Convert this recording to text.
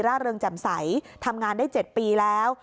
เริงแจ่มใสทำงานได้๗ปีแล้ว